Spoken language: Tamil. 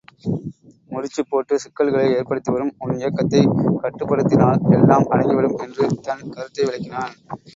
முடிச்சுபோட்டுச் சிக்கல்களை ஏற்படுத்தி வரும் உன் இயக்கத்தைக் கட்டுப்படுத்தினால் எல்லாம் அடங்கி விடும் என்று தன் கருத்தை விளக்கினான்.